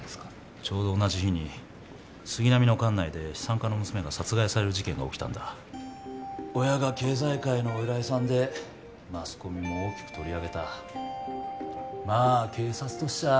ちょうど同じ日に杉並の管内で資産家の娘が殺害される事件が起きたんだ親が経済界のお偉いさんでマスコミも大きく取り上げたまあ警察としちゃ